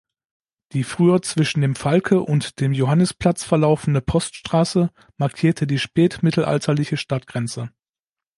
Die früher zwischen dem Falke- und dem "Johannisplatz" verlaufende "Poststraße" markierte die spätmittelalterliche Stadtgrenze.